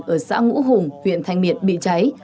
ở xã ngũ hùng huyện thanh miện bị cháy